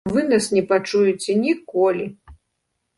Вы нас не пачуеце ніколі!